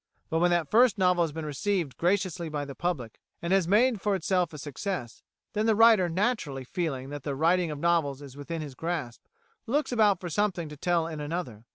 But when that first novel has been received graciously by the public, and has made for itself a success, then the writer, naturally feeling that the writing of novels is within his grasp, looks about for something to tell in another.